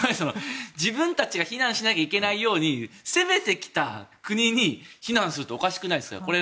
自分たちが避難しなきゃいけないように攻めてきた国に避難するっておかしくないですか。